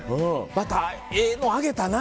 またええの上げたな。